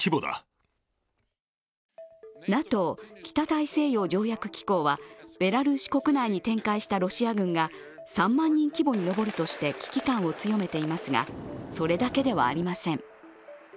ＮＡＴＯ＝北大西洋条約機構はベラルーシ国内に展開したロシア軍が３万人規模に上るとして危機感を強ていますが、それだけではありません。